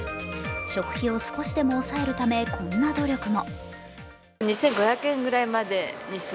食費を少しでも抑えるためこんな努力も。